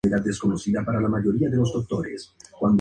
Susan y Daniel salen de vacaciones rumbo al sudeste asiático.